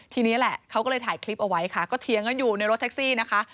ทีนี้แหละเขาก็เลยถ่ายคลิปเอาไว้ค่ะก็เถียงกันอยู่ในรถแท็กซี่นะคะ